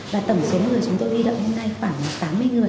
và tổng số người chúng tôi huy động hôm nay khoảng tám mươi người